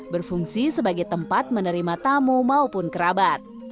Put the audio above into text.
berfungsi sebagai tempat menerima tamu maupun kerabat